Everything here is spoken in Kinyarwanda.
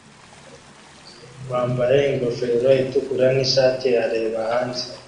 wambaye ingofero itukura nishati areba hanze